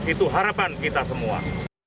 itu harapan kita semua